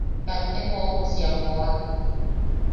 Katte koʼokosi am jooa.